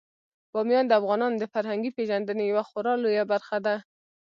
بامیان د افغانانو د فرهنګي پیژندنې یوه خورا لویه برخه ده.